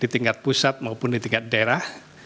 di tingkat pusat maupun di tingkat daerah